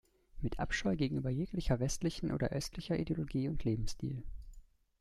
Mit Abscheu gegenüber jeglicher westlichen oder östlicher Ideologie und Lebensstil.